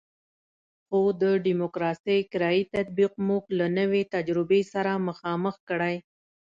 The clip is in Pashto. خو د ډیموکراسي کرایي تطبیق موږ له نوې تجربې سره مخامخ کړی.